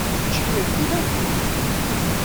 Mačči akken akk i m-xedmeɣ!